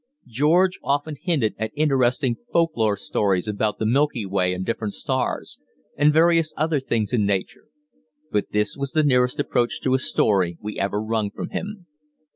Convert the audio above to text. George often hinted at interesting folklore stories about the milky way and different stars, and various other things in nature; but this was the nearest approach to a story we ever wrung from him.